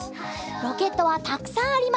ロケットはたくさんあります。